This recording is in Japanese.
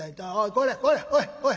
これこれおいおい！